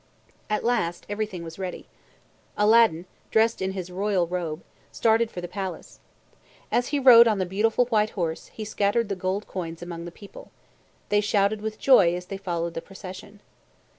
At last everything was ready. Aladdin, dressed in his royal robe, started for the palace. As he rode on the beautiful white horse, he scattered the gold coins among the people. They shouted with joy as they followed the procession.